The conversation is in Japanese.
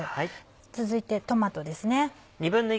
続いてトマトですね。